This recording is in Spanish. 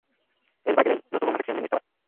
El "Bagley" no tuvo más acción en esta batalla.